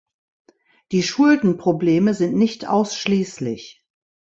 Die Schuldenprobleme sind nicht ausschließlich.